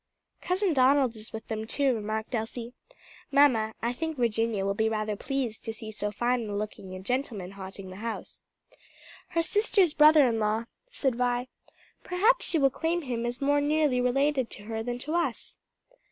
"Cousin Donald is with them too," remarked Elsie. "Mamma, I think Virginia will be rather pleased to see so fine looking a gentleman haunting the house." "Her sister's brother in law," said Vi. "Perhaps she will claim him as more nearly related to her than to us."